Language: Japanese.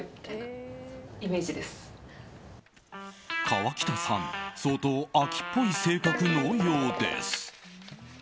河北さん、相当飽きっぽい性格のようです。